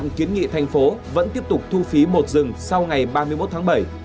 kiến nghị thành phố vẫn tiếp tục thu phí một dừng sau ngày ba mươi một tháng bảy